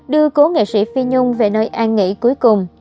đưa cố nghệ sĩ phi nhung về nơi an nghỉ cuối cùng